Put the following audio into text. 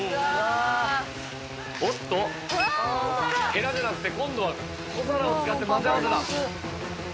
ヘラでなくて今度は小皿を使って混ぜ合わせた。